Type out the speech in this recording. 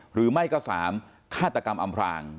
หรือไม่ก็๓ฆาตกรรมอำพราง